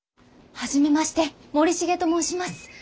初めまして森重と申します。